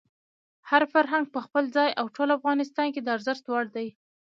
هر فرهنګ په خپل ځای او ټول افغانستان کې د ارزښت وړ دی.